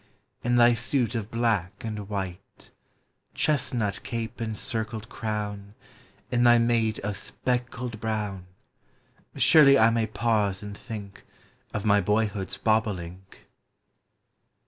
In thy suit of black and white, Chestnut cape and circled crown, In thy mate of speckled brown ; Surely I may pause and think Of my boyhood's bobolink.